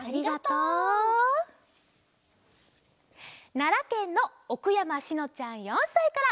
ならけんのおくやましのちゃん４さいから。